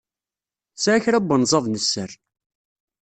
Tesɛa kra n wenzaḍ n sser.